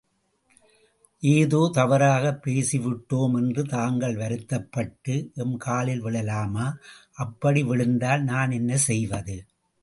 ஏதோ, தவறாகப் பேசிவிட்டோம் என்று தாங்கள் வருத்தப்பட்டு, எம் காலில் விழலாமா—அப்படி விழுந்தால், நான் என்ன செய்வது?